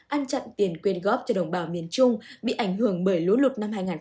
ăn chặn tiền quyền góp cho đồng bào miền trung bị ảnh hưởng bởi lũ lụt